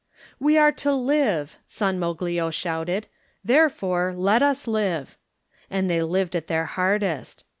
"We are to live," San Moglio shouted, "therefore, let us live." And they lived at their hardest.